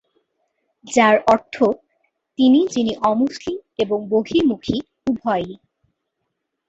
যার অর্থ "তিনি যিনি অমুসলিম এবং বহির্মুখী উভয়ই।"